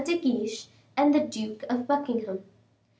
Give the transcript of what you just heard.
de Guiche and the Duke of Buckingham.